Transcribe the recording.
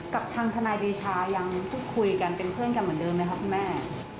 กับทางทนายเดชายังพูดคุยกันเป็นเพื่อนกันเหมือนเดิมไหมคะคุณแม่